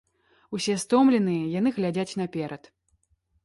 Усе стомленыя, яны глядзяць наперад.